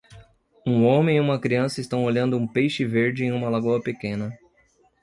Um homem e uma criança estão olhando um peixe verde em uma lagoa pequena.